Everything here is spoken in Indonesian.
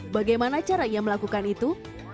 bagaimana cara ia melakukan itu